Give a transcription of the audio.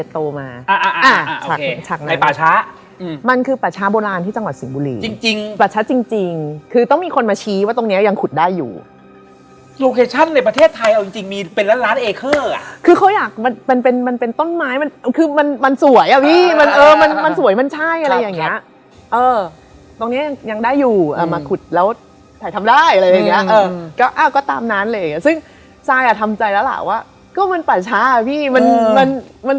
ตอนวันหนึ่งเหมือนแกก็แบบไม่ไหวแล้ว